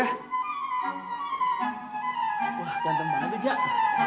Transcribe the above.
wah ganteng banget lo jack